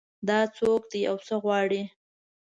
دا څوک ده او څه غواړي